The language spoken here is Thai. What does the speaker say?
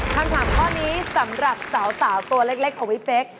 คำถามข้อนี้สำหรับสาวตัวเล็กของพี่เป๊ก